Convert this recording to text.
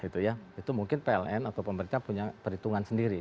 itu mungkin pln atau pemerintah punya perhitungan sendiri